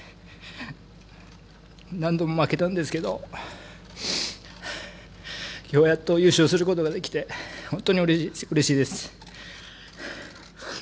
何度も負けたんですけどようやっと優勝することができて本当にうれしいです。